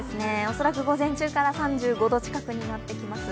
恐らく午前中から３５度近くになっていきます。